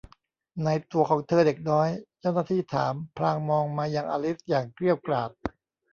ไหนตั๋วของเธอเด็กน้อย เจ้าหน้าที่ถามพลางมองมายังอลิซอย่างเกรี้ยวกราด